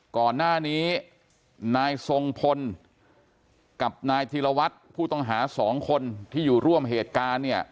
ก่อนหน้านี้นายทรงพลกับนายธีรวัตรผู้ต้องหา๒คนที่อยู่ร่วมเหตุการณ์เนี่ย